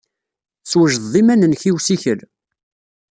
Teswejdeḍ iman-nnek i ussikel?